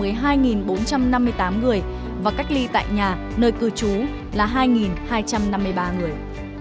cách ly tập trung tại nhà nơi cư trú là hai hai trăm năm mươi ba người